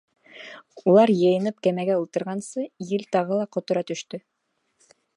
Улар йыйынып кәмәгә ултырғансы, ел тағы ла ҡотора төштө.